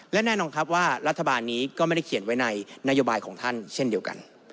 และแน่นอนครับว่ารัฐบาลนี้ก็ไม่ได้เขียนไว้ในนโยบายของท่านเช่นเดียวกัน